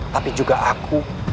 tapi juga aku